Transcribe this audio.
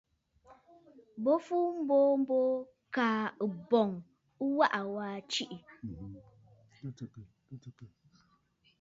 Bo fu mboo mboo, kaa ɨ̀bɔ̀ŋ ɨ waʼa waa tiʼì.